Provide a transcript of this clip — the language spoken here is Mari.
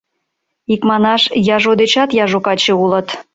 Икманаш, яжо дечат яжо каче улыт.